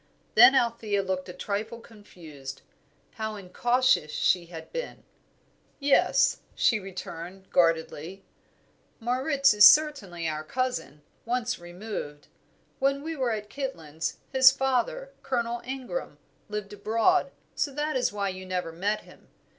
Then Althea looked a trifle confused. How incautious she had been! "Yes," she returned, guardedly, "Moritz is certainly our cousin once removed. When we were at Kitlands, his father, Colonel Ingram, lived abroad, so that is why you never met him.